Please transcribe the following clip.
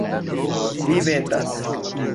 Vi vetas.